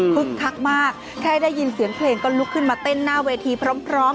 คักมากแค่ได้ยินเสียงเพลงก็ลุกขึ้นมาเต้นหน้าเวทีพร้อม